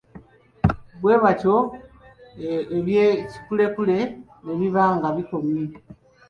Bwe bityo eby'ekikulekule ne biba nga bikomye.